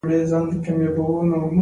زما دا ښار د غريبانو ډک دی